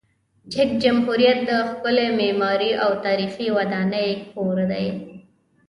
چک جمهوریت د ښکلې معماري او تاریخي ودانۍ کور دی.